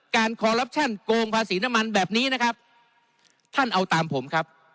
คอลลับชั่นโกงภาษีน้ำมันแบบนี้นะครับท่านเอาตามผมครับ